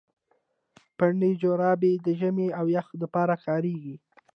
پنډي جراپي د ژمي او يخ د پاره کاريږي.